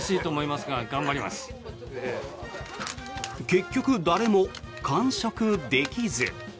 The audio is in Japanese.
結局、誰も完食できず。